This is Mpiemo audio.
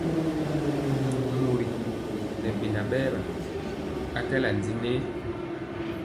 Mori ŋɛ beŋa berwa, akɛla ndi nɛ.